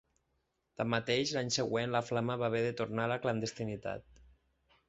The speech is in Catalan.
Tanmateix, l’any següent la flama va haver de tornar a la clandestinitat.